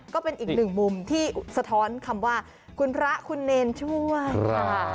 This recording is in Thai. ก็เป็นอีกหนึ่งมุมที่สะท้อนคำว่าคุณพระคุณเนรช่วยค่ะ